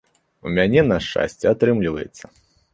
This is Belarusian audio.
У мяне, на шчасце, атрымліваецца.